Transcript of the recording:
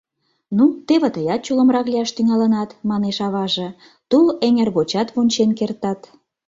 — Ну, теве тыят чулымрак лияш тӱҥалынат, — манеш аваже, — тул эҥер гочат вончен кертат.